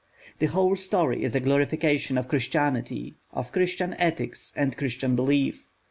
The whole story is a glorification of Christianity, of Christian ethics and Christian belief.